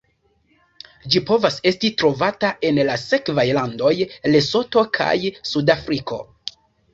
Ĝi povas esti trovata en la sekvaj landoj: Lesoto kaj Sudafriko.